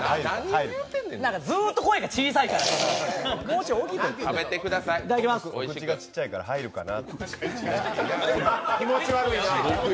ずっと声が小さいから、お口がちっちゃいから入るかな。